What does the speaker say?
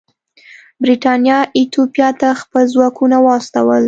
برېټانیا ایتوپیا ته خپل ځواکونه واستول.